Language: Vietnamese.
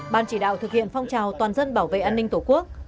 ban chỉ đạo thực hiện phong trào toàn dân bảo vệ an ninh tổ quốc